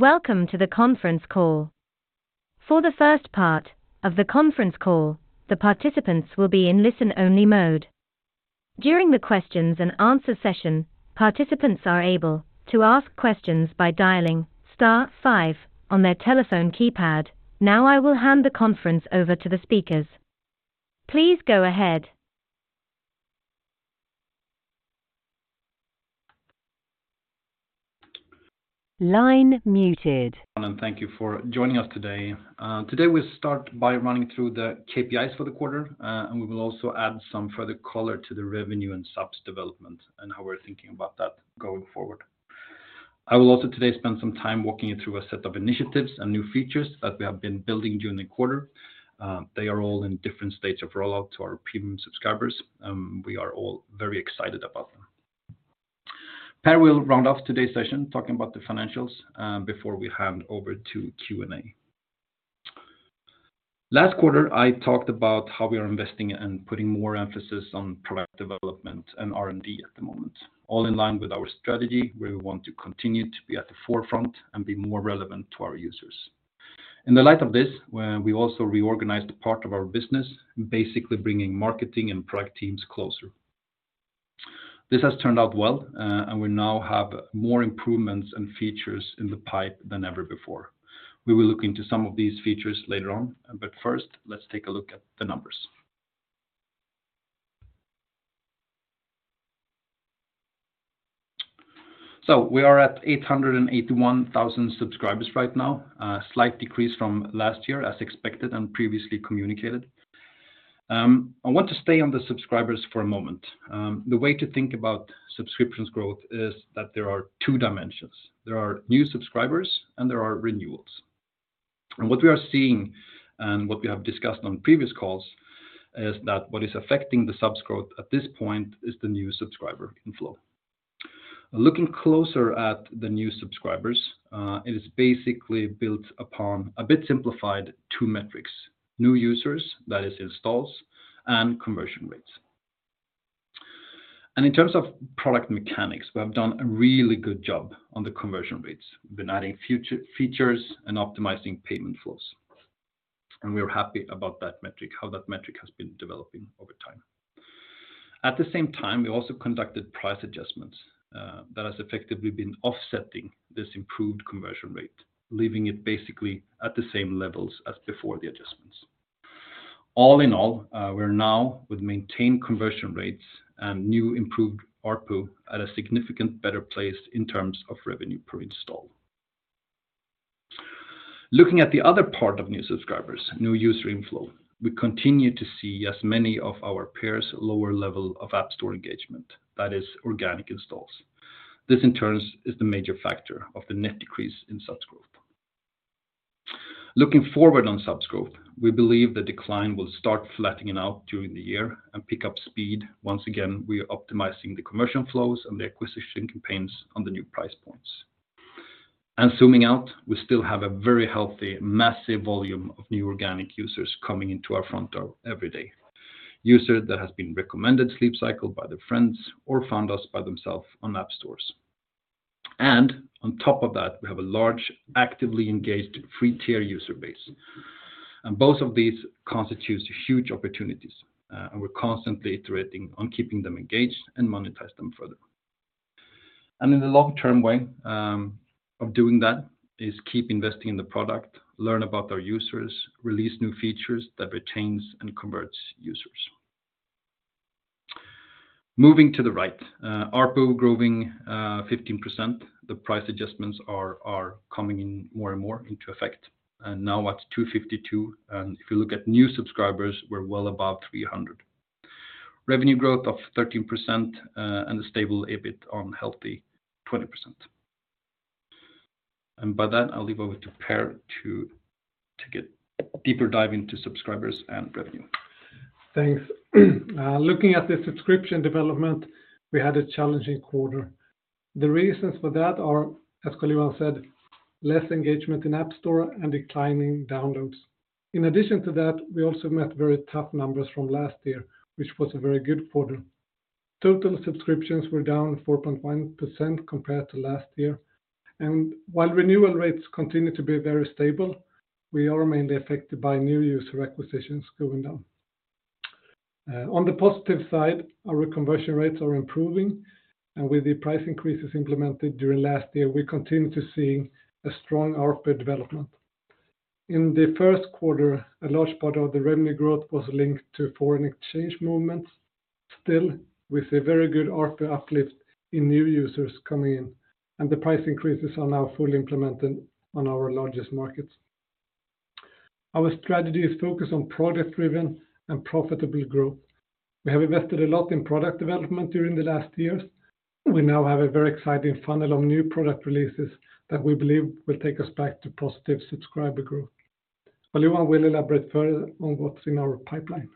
Welcome to the Conference Call. For the 1st part of the conference call, the participants will be in listen-only mode. During the questions and answer session, participants are able to ask questions by dialing star five on their telephone keypad. I will hand the conference over to the speakers. Please go ahead. Line muted. Thank you for joining us today. Today, we start by running through the KPIs for the quarter, and we will also add some further color to the revenue and subs development and how we're thinking about that going forward. I will also today spend some time walking you through a set of initiatives and new features that we have been building during the quarter. They are all in different states of rollout to our premium subscribers, and we are all very excited about them. Per will round off today's session talking about the financials, before we hand over to Q&A. Last quarter, I talked about how we are investing and putting more emphasis on product development and R&D at the moment, all in line with our strategy, where we want to continue to be at the forefront and be more relevant to our users. In the light of this, we also reorganized part of our business, basically bringing marketing and product teams closer. This has turned out well. We now have more improvements and features in the pipe than ever before. We will look into some of these features later on. First, let's take a look at the numbers. We are at 881,000 subscribers right now, a slight decrease from last year, as expected and previously communicated. I want to stay on the subscribers for a moment. The way to think about subscriptions growth is that there are two dimensions. There are new subscribers and there are renewals. What we are seeing and what we have discussed on previous calls is that what is affecting the subs growth at this point is the new subscriber inflow. Looking closer at the new subscribers, it is basically built upon a bit simplified two metrics, new users, that is installs, and conversion rates. In terms of product mechanics, we have done a really good job on the conversion rates. We've been adding features and optimizing payment flows, and we are happy about that metric, how that metric has been developing over time. At the same time, we also conducted price adjustments, that has effectively been offsetting this improved conversion rate, leaving it basically at the same levels as before the adjustments. All in all, we're now with maintained conversion rates and new improved ARPU at a significant better place in terms of revenue per install. Looking at the other part of new subscribers, new user inflow, we continue to see as many of our peers lower level of App Store engagement, that is organic installs. This in turn is the major factor of the net decrease in subs growth. Looking forward on subs growth, we believe the decline will start flattening out during the year and pick up speed. Once again, we are optimizing the conversion flows and the acquisition campaigns on the new price points. Zooming out, we still have a very healthy, massive volume of new organic users coming into our front door every day. Users that has been recommended Sleep Cycle by their friends or found us by themselves on App Stores. On top of that, we have a large, actively engaged free tier user base. Both of these constitutes huge opportunities, and we're constantly iterating on keeping them engaged and monetize them further. In the long-term way of doing that is keep investing in the product, learn about our users, release new features that retains and converts users. Moving to the right, ARPU growing 15%. The price adjustments are coming in more and more into effect and now at 2.52. If you look at new subscribers, we're well above 300. Revenue growth of 13% and a stable EBIT on healthy 20%. By that, I'll leave over to Per to get deeper dive into subscribers and revenue. Thanks. Looking at the subscription development, we had a challenging quarter. The reasons for that are, as Carl-Johan said, less engagement in App Store and declining downloads. We also met very tough numbers from last year, which was a very good quarter. Total subscriptions were down 4.1% compared to last year. While renewal rates continue to be very stable, we are mainly affected by new user acquisitions going down. On the positive side, our conversion rates are improving, and with the price increases implemented during last year, we continue to see a strong ARPU development. In the 1st quarter, a large part of the revenue growth was linked to foreign exchange movements. With a very good ARPU uplift in new users coming in and the price increases are now fully implemented on our largest markets. Our strategy is focused on product-driven and profitable growth. We have invested a lot in product development during the last years. We now have a very exciting funnel of new product releases that we believe will take us back to positive subscriber growth. Carl-Johan will elaborate further on what's in our pipeline.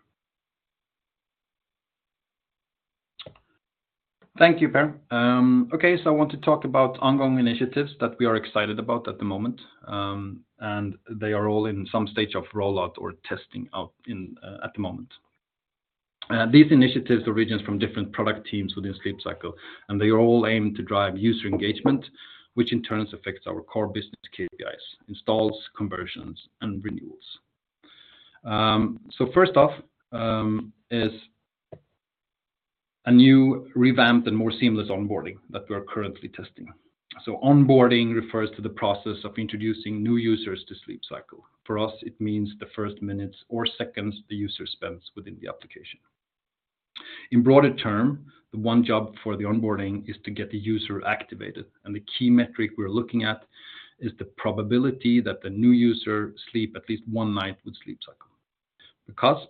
Thank you, Per. Okay, I want to talk about ongoing initiatives that we are excited about at the moment. They are all in some stage of rollout or testing out at the moment. These initiatives are regions from different product teams within Sleep Cycle, and they are all aimed to drive user engagement, which in turn affects our core business KPIs, installs, conversions, and renewals. First off, is a new revamped and more seamless onboarding that we are currently testing. Onboarding refers to the process of introducing new users to Sleep Cycle. For us, it means the 1st mins or seconds the user spends within the application. In broader term, the one job for the onboarding is to get the user activated. The key metric we're looking at is the probability that the new user sleep at least one night with Sleep Cycle.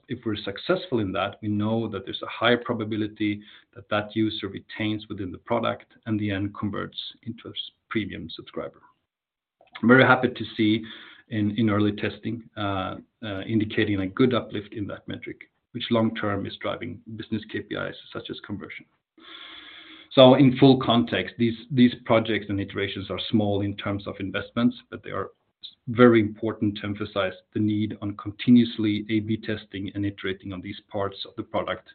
If we're successful in that, we know that there's a high probability that that user retains within the product and then converts into a premium subscriber. I'm very happy to see in early testing indicating a good uplift in that metric, which long-term is driving business KPIs such as conversion. In full context, these projects and iterations are small in terms of investments, but they are very important to emphasize the need on continuously A/B testing and iterating on these parts of the product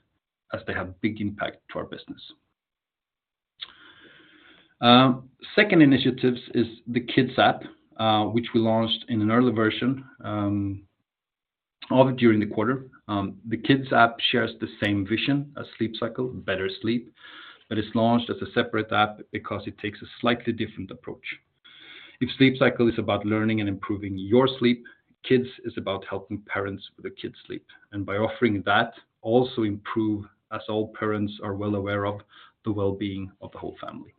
as they have big impact to our business. Second initiatives is the Kids app, which we launched in an early version, of it during the quarter. The Kids app shares the same vision as Sleep Cycle, better sleep, but it's launched as a separate app because it takes a slightly different approach. If Sleep Cycle is about learning and improving your sleep, Kids is about helping parents with the kids sleep. By offering that, also improve, as all parents are well aware of, the well-being of the whole family.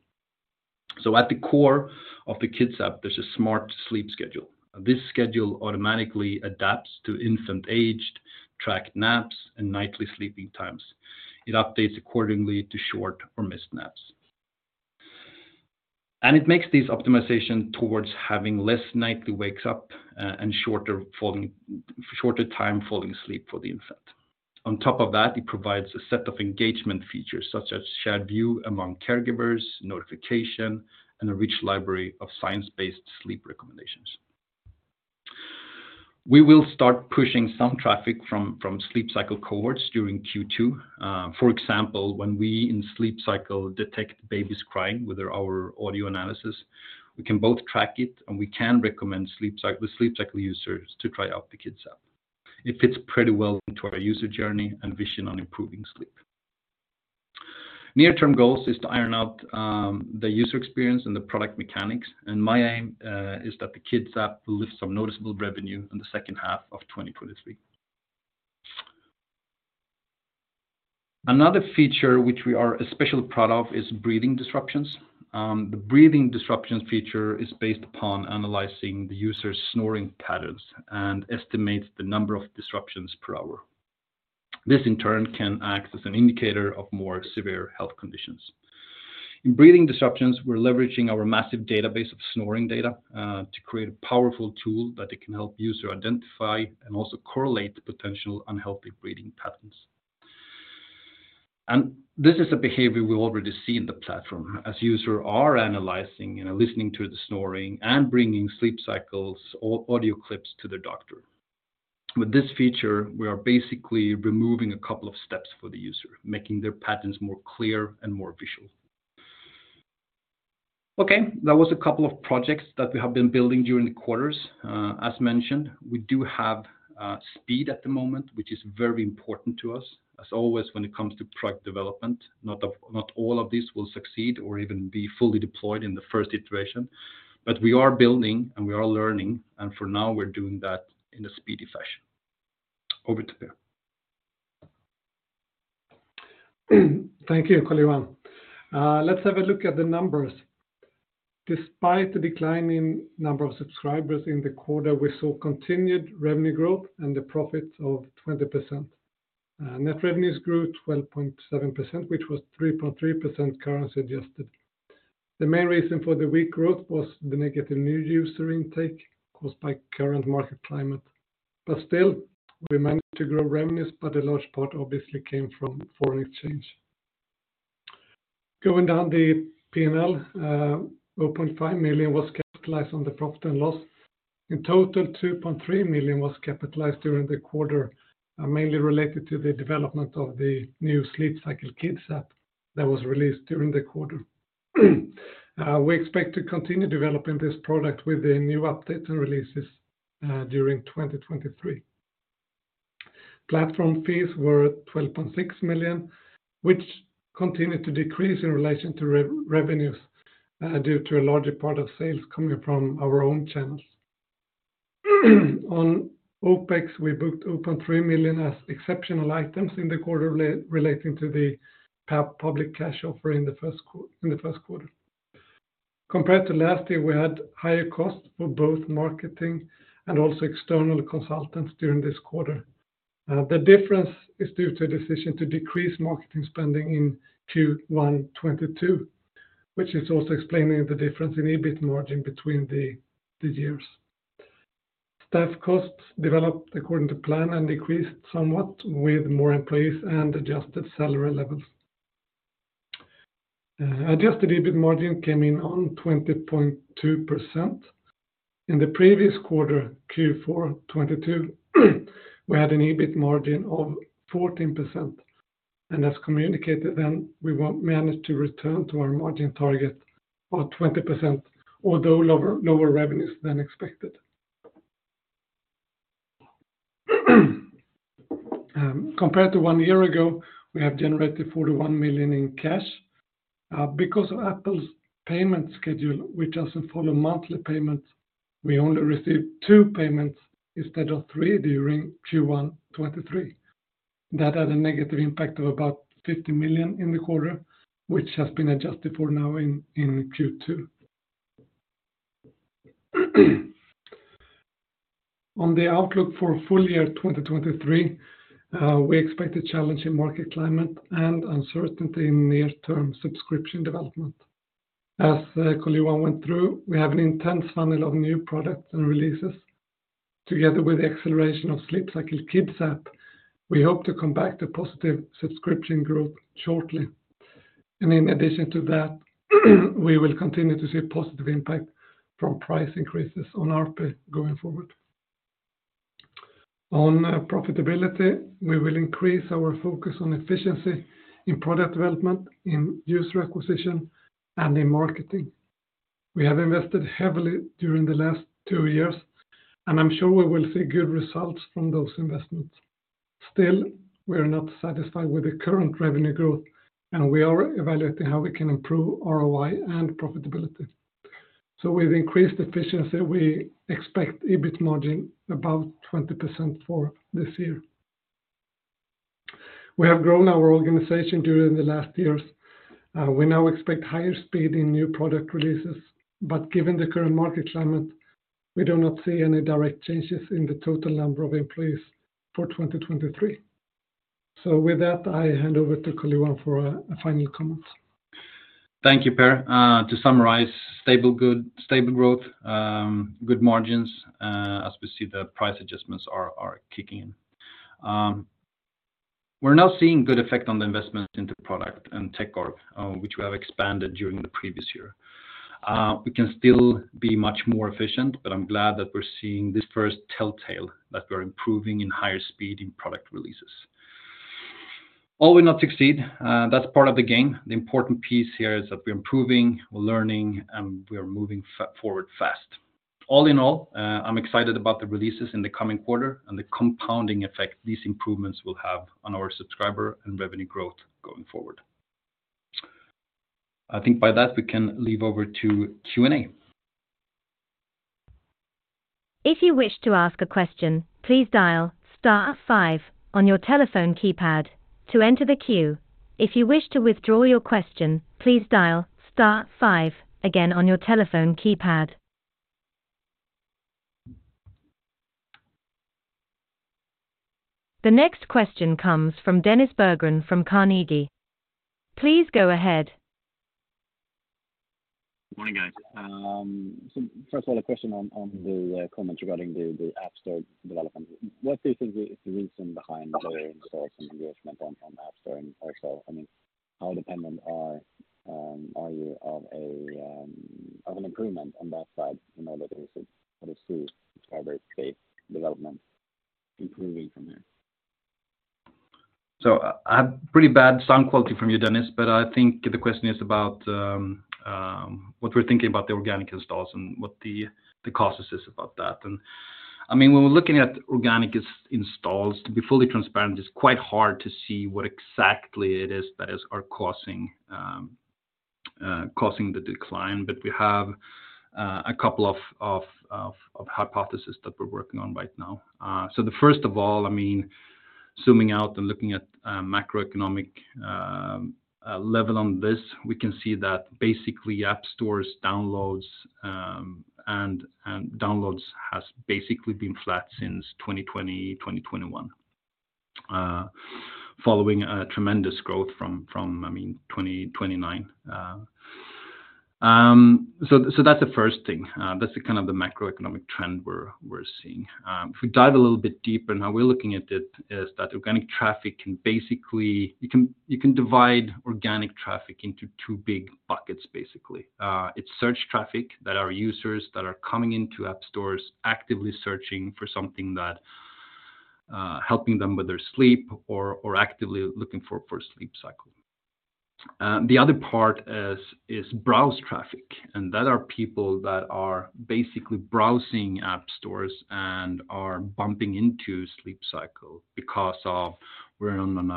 At the core of the Kids app, there's a smart sleep schedule. This schedule automatically adapts to infant aged, tracked naps, and nightly sleeping times. It updates accordingly to short or missed naps. It makes this optimization towards having less nightly wakes up, and shorter time falling asleep for the infant. On top of that, it provides a set of engagement features such as shared view among caregivers, notification, and a rich library of science-based sleep recommendations. We will start pushing some traffic from Sleep Cycle cohorts during Q2. For example, when we in Sleep Cycle detect babies crying with our audio analysis, we can both track it and we can recommend the Sleep Cycle users to try out the Kids app. It fits pretty well into our user journey and vision on improving sleep. Near term goals is to iron out the user experience and the product mechanics, and my aim is that the Kids app will lift some noticeable revenue in the 2nd half of 2023. Another feature which we are especially proud of is breathing disruptions. The breathing disruptions feature is based upon analyzing the user's snoring patterns and estimates the number of disruptions per hour. This in turn can act as an indicator of more severe health conditions. In breathing disruptions, we're leveraging our massive database of snoring data to create a powerful tool that it can help user identify and also correlate the potential unhealthy breathing patterns. This is a behavior we already see in the platform as user are analyzing, you know, listening to the snoring and bringing sleep cycles or audio clips to their doctor. With this feature, we are basically removing a couple of steps for the user, making their patterns more clear and more visual. Okay, that was a couple of projects that we have been building during the quarters. As mentioned, we do have speed at the moment, which is very important to us. As always, when it comes to product development, not all of these will succeed or even be fully deployed in the 1st iteration. We are building, and we are learning, and for now, we're doing that in a speedy fashion. Over to you. Thank you, Carl-Johan. Let's have a look at the numbers. Despite the decline in number of subscribers in the quarter, we saw continued revenue growth and the profits of 20%. Net revenues grew 12.7%, which was 3.3% currency adjusted. The main reason for the weak growth was the negative new user intake caused by current market climate. Still, we managed to grow revenues, but a large part obviously came from foreign exchange. Going down the P&L, 0.5 million was capitalized on the profit and loss. In total, 2.3 million was capitalized during the quarter, mainly related to the development of the new Sleep Cycle Kids app that was released during the quarter. We expect to continue developing this product with the new update and releases during 2023. Platform fees were at 12.6 million, which continued to decrease in relation to revenues, due to a larger part of sales coming from our own channels. On OpEx, we booked open 3 million as exceptional items in the quarter relating to the public cash offer in the 1st quarter. Compared to last year, we had higher costs for both marketing and also external consultants during this quarter. The difference is due to a decision to decrease marketing spending in Q1 2022, which is also explaining the difference in EBIT margin between the years. Staff costs developed according to plan and decreased somewhat with more employees and adjusted salary levels. Adjusted EBIT margin came in on 20.2%. In the previous quarter, Q4 2022, we had an EBIT margin of 14%. As communicated then, we managed to return to our margin target of 20%, although lower revenues than expected. Compared to one year ago, we have generated 41 million in cash. Because of Apple's payment schedule, which doesn't follow monthly payments, we only received two payments instead of three during Q1 2023. That had a negative impact of about 50 million in the quarter, which has been adjusted for now in Q2. On the outlook for full year 2023, we expect a challenging market climate and uncertainty in near-term subscription development. As Carl-Johan went through, we have an intense funnel of new products and releases. Together with the acceleration of Sleep Cycle Kids app, we hope to come back to positive subscription growth shortly. In addition to that, we will continue to see positive impact from price increases on ARPU going forward. On profitability, we will increase our focus on efficiency in product development, in user acquisition, and in marketing. We have invested heavily during the last two years, and I'm sure we will see good results from those investments. Still, we are not satisfied with the current revenue growth, and we are evaluating how we can improve ROI and profitability. With increased efficiency, we expect EBIT margin about 20% for this year. We have grown our organization during the last years. We now expect higher speed in new product releases, but given the current market climate, we do not see any direct changes in the total number of employees for 2023. With that, I hand over to Carl-Johan for final comments. Thank you, Per. To summarize, stable growth, good margins, as we see the price adjustments are kicking in. We're now seeing good effect on the investment into product and tech org, which we have expanded during the previous year. We can still be much more efficient, but I'm glad that we're seeing this 1st telltale that we're improving in higher speed in product releases. All will not succeed. That's part of the game. The important piece here is that we're improving, we're learning, and we are moving forward fast. All in all, I'm excited about the releases in the coming quarter and the compounding effect these improvements will have on our subscriber and revenue growth going forward. I think by that, we can leave over to Q&A. If you wish to ask a question, please dial star five on your telephone keypad to enter the queue. If you wish to withdraw your question, please dial star five again on your telephone keypad. The next question comes from Dennis Berggren from Carnegie. Please go ahead. Morning, guys. First of all, a question on the comments regarding the App Store development. What do you think is the reason behind the installs and engagement on App Store and also, I mean, how dependent are you of an improvement on that side in order to see subscriber base development improving from there? I have pretty bad sound quality from you, Dennis, but I think the question is about what we're thinking about the organic installs and what the causes is about that. I mean, when we're looking at organic installs, to be fully transparent, it's quite hard to see what exactly it is that are causing the decline. We have a couple of hypothesis that we're working on right now. So the 1st of all, I mean, zooming out and looking at macroeconomic level on this, we can see that basically app stores downloads and downloads has basically been flat since 2020, 2021, following a tremendous growth from, I mean, 2019. So that's the 1st thing. That's the kind of the macroeconomic trend we're seeing. If we dive a little bit deeper and how we're looking at it is that organic traffic can basically. You can divide organic traffic into two big buckets basically. It's search traffic that are users that are coming into app stores actively searching for something that helping them with their sleep or actively looking for Sleep Cycle. The other part is browse traffic, and that are people that are basically browsing app stores and are bumping into Sleep Cycle because of we're on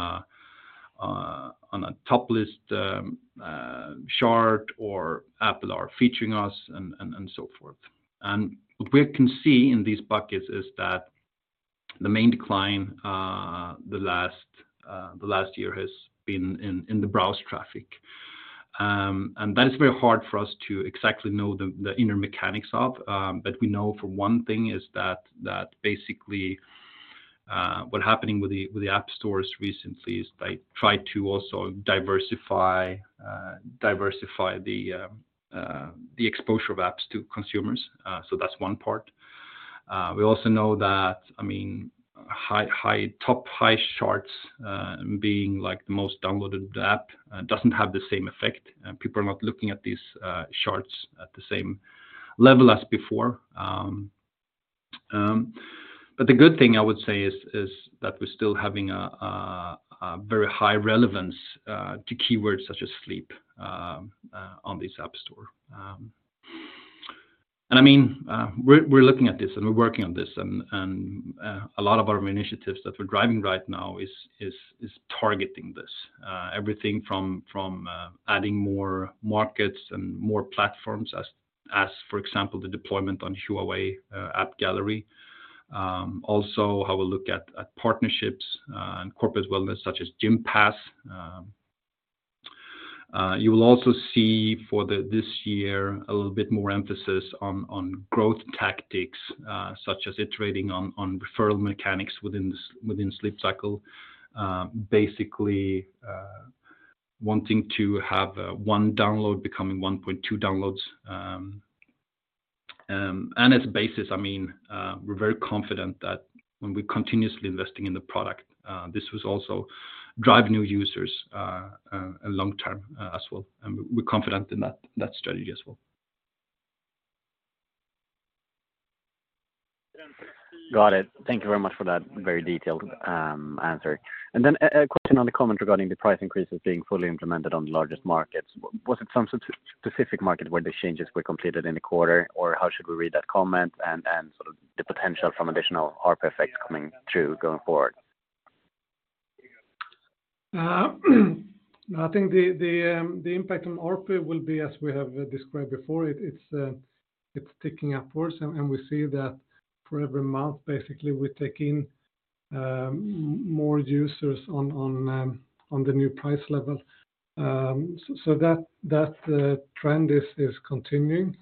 a top list, chart or Apple are featuring us and so forth. What we can see in these buckets is that the main decline, the last year has been in the browse traffic. That is very hard for us to exactly know the inner mechanics of, but we know for one thing is that basically, what happening with the App Stores recently is they try to also diversify the exposure of apps to consumers. That's one part. We also know that, I mean, top high charts, being like the most downloaded app, doesn't have the same effect. People are not looking at these charts at the same level as before. The good thing I would say is that we're still having a very high relevance to keywords such as sleep on this App Store. I mean, we're looking at this, and we're working on this. A lot of our initiatives that we're driving right now is targeting this. Everything from adding more markets and more platforms as for example, the deployment on Huawei AppGallery. How we look at partnerships and corporate wellness such as Gympass. You will also see this year a little bit more emphasis on growth tactics such as iterating on referral mechanics within Sleep Cycle. Basically, wanting to have one download becoming 1.2 downloads. As a basis, I mean, we're very confident that when we're continuously investing in the product, this was also drive new users, long term, as well, and we're confident in that strategy as well. Got it. Thank you very much for that very detailed answer. A question on the comment regarding the price increases being fully implemented on the largest markets, was it some specific market where the changes were completed in the quarter, or how should we read that comment and sort of the potential from additional ARPU effects coming through going forward? I think the impact on ARPU will be as we have described before. It's ticking upwards, and we see that for every month, basically, we take in more users on the new price level. That trend is continuing.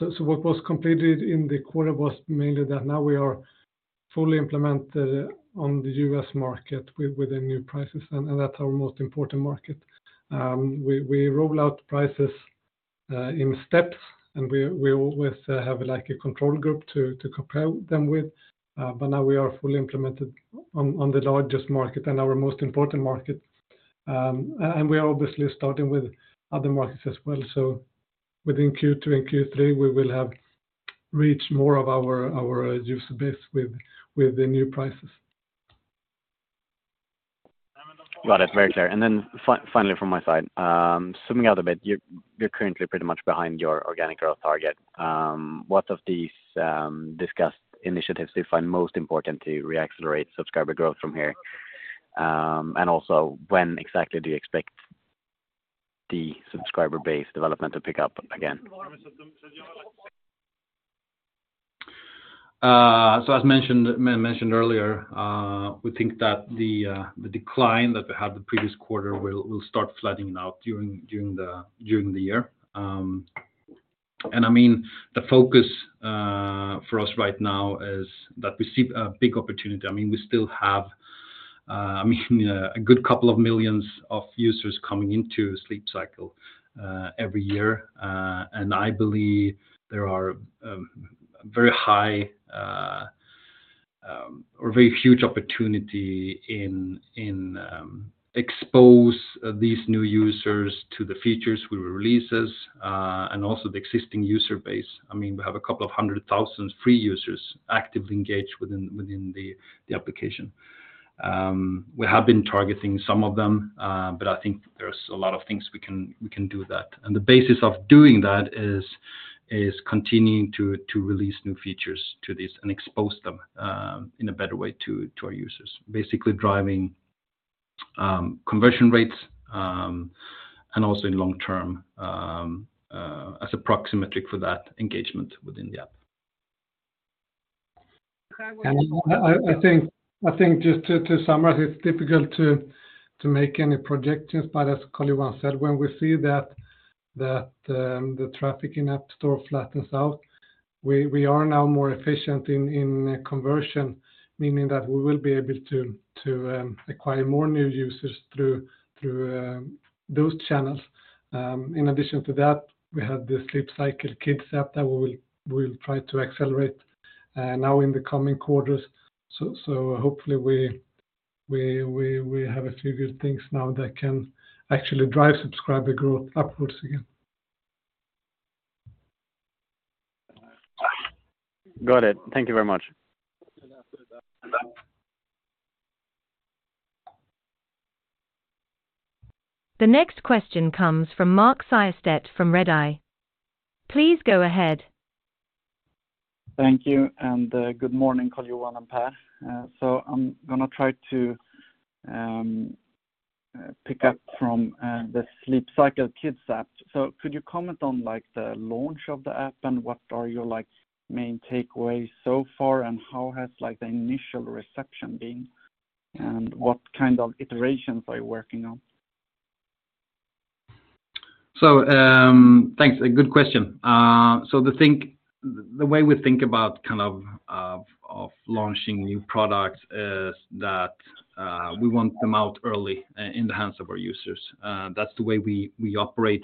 What was completed in the quarter was mainly that now we are fully implemented on the U.S. market with the new prices, and that's our most important market. We roll out prices in steps, and we always have like a control group to compare them with. Now we are fully implemented on the largest market and our most important market. We are obviously starting with other markets as well within Q2 and Q3, we will have reached more of our user base with the new prices. Got it. Very clear. Then finally from my side, zooming out a bit, you're currently pretty much behind your organic growth target. What of these discussed initiatives do you find most important to re-accelerate subscriber growth from here? Also when exactly do you expect the subscriber base development to pick up again? As mentioned earlier, we think that the decline that we had the previous quarter will start flattening out during the year. I mean, the focus for us right now is that we see a big opportunity. I mean, we still have, I mean, a good couple of millions of users coming into Sleep Cycle every year. I believe there are very high, or very huge opportunity in expose these new users to the features we releases and also the existing user base. I mean, we have a couple of hundred thousand free users actively engaged within the application. We have been targeting some of them, but I think there's a lot of things we can do that. The basis of doing that is continuing to release new features to this and expose them in a better way to our users. Basically driving conversion rates and also in long term as a proxy metric for that engagement within the app. I think just to summarize, it's difficult to make any projections, but as Carl-Johan said, when we see that the traffic in App Store flattens out, we are now more efficient in conversion, meaning that we will be able to acquire more new users through those channels. In addition to that, we have the Sleep Cycle Kids app that we will try to accelerate now in the coming quarters. Hopefully we have a few good things now that can actually drive subscriber growth upwards again. Got it. Thank you very much. The next question comes from Mark Siöstedt from Redeye. Please go ahead. Thank you. Good morning, Carl-Johan and Per. I'm gonna try to pick up from the Sleep Cycle Kids app. Could you comment on, like, the launch of the app and what are your, like, main takeaways so far, and how has, like, the initial reception been, and what kind of iterations are you working on? Thanks. A good question. The way we think about launching new products is that we want them out early in the hands of our users. That's the way we operate.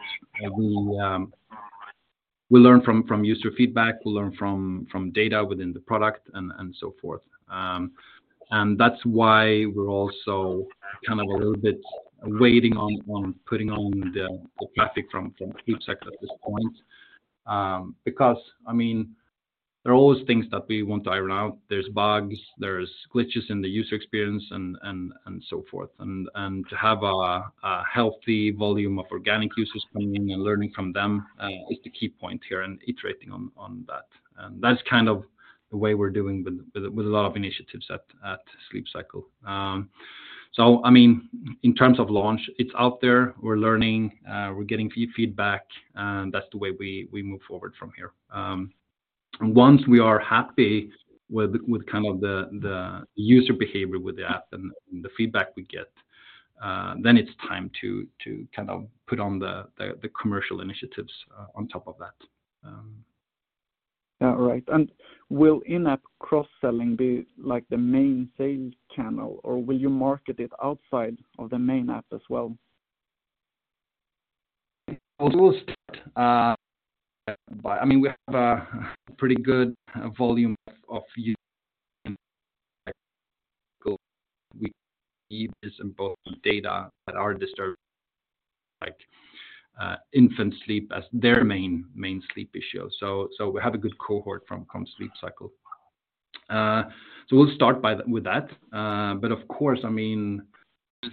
We learn from user feedback, we learn from data within the product, and so forth. And that's why we're also kind of a little bit waiting on putting on the traffic from Sleep Cycle at this point. Because I mean, there are always things that we want to iron out. There's bugs, there's glitches in the user experience, and so forth. And to have a healthy volume of organic users coming in and learning from them is the key point here in iterating on that. That's kind of the way we're doing with a lot of initiatives at Sleep Cycle. I mean, in terms of launch, it's out there, we're learning, we're getting fee-feedback, and that's the way we move forward from here. Once we are happy with kind of the user behavior with the app and the feedback we get, then it's time to kind of put on the commercial initiatives on top of that. Yeah. All right. Will in-app cross-selling be like the main sales channel, or will you market it outside of the main app as well? Well, we'll start, I mean, we have a pretty good volume of users in Sleep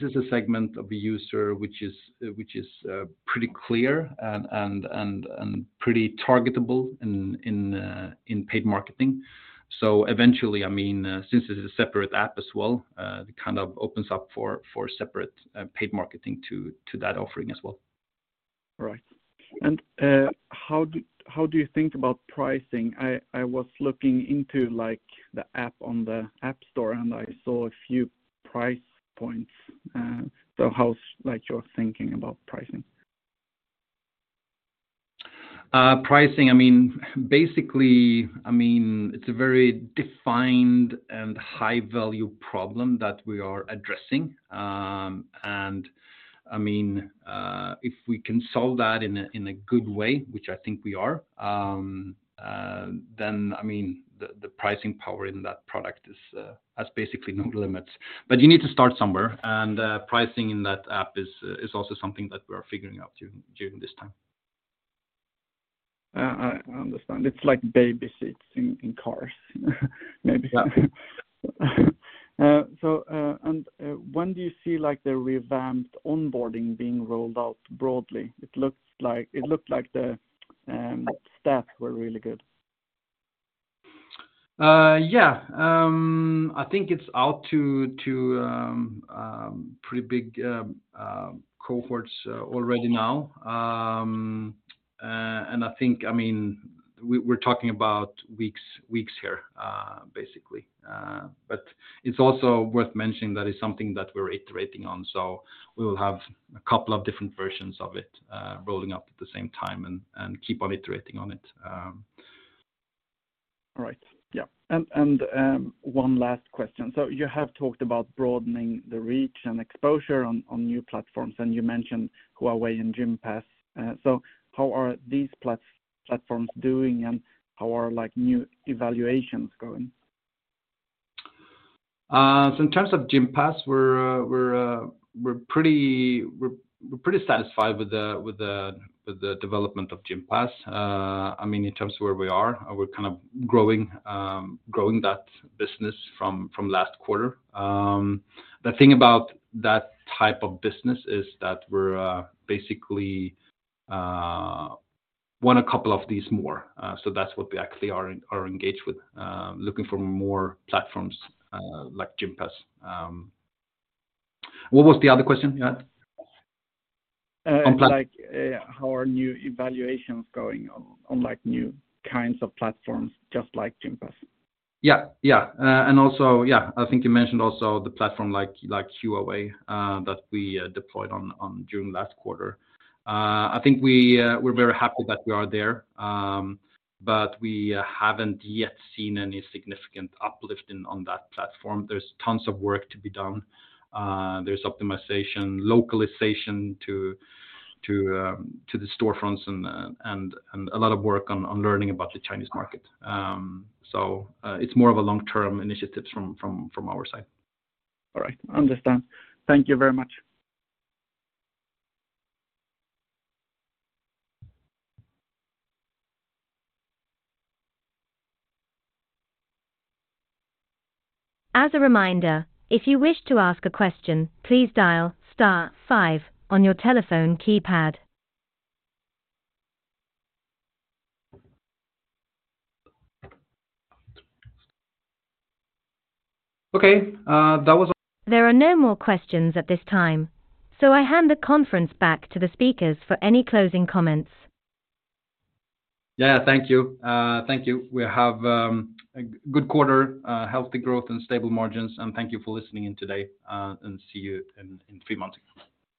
Cycle. We All right. I understand. Thank you very much. As a reminder, if you wish to ask a question, please dial star five on your telephone keypad. There are no more questions at this time. I hand the conference back to the speakers for any closing comments. Yeah. Thank you. Thank you. We have a good quarter, healthy growth and stable margins. Thank you for listening in today, and see you in three months.